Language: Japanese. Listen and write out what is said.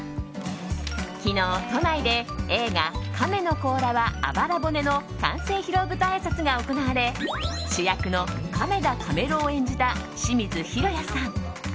昨日、都内で映画「カメの甲羅はあばら骨」の完成披露舞台あいさつが行われ主役のカメ田カメ郎を演じた清水尋也さん